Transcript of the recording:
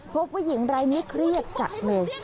ผู้หญิงรายนี้เครียดจัดเลย